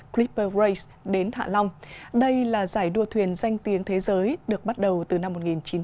clipper race đến hạ long đây là giải đua thuyền danh tiếng thế giới được bắt đầu từ năm một nghìn chín trăm chín mươi sáu